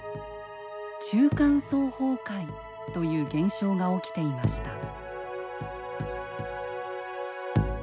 中間層崩壊という現象が起きていました。